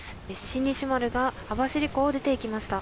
「新日丸」が網走港を出ていきました。